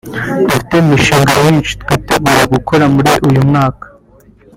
Dufite imishinga myinshi twitegura gukora muri uyu mwaka